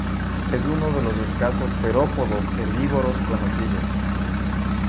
Es uno de los escasos terópodos herbívoros conocidos.